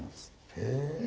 へえ。